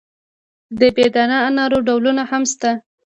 د بې دانه انارو ډولونه هم شته.